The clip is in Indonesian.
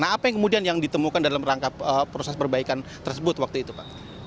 nah apa yang kemudian yang ditemukan dalam rangka proses perbaikan tersebut waktu itu pak